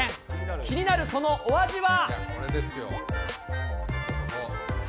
気になるそのお味は。